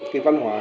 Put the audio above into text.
cái văn hóa